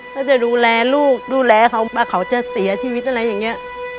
ถ้าจะดูแลลูกดูแลเขาว่าเขาจะเสียชีวิตอะไรอย่างนี้